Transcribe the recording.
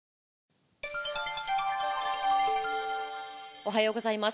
おはようございます。